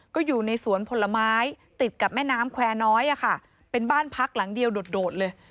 ก็อยู่ในสวนผลไม้ติดกับแม่น้ำแควร์น้อยอะค่ะเป็นบ้านพักหลังเดียวโดดเลย